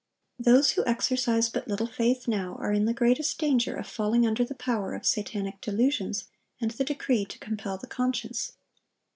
Those who exercise but little faith now, are in the greatest danger of falling under the power of satanic delusions and the decree to compel the conscience.